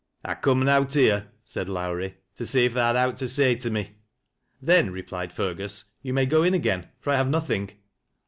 " I comn out here," said Lowrie, " to eee if tha had owt to say to me." " Then," replied Fergus, " you may go in again, for 1 Lave nothing."